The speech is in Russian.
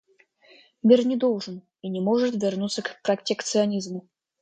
Мир не должен и не может вернуться к протекционизму.